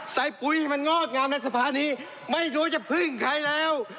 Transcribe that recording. ปุ๋ยให้มันงอกงามในสภานี้ไม่รู้จะพึ่งใครแล้ว